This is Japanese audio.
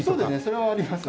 それはありますね。